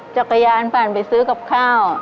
จักรยานผ่านไปซื้อกับข้าว